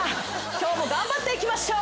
今日も頑張っていきましょう。